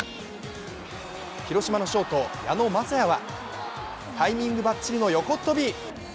広島のショート・矢野雅哉はタイミングばっちりの横っ飛び。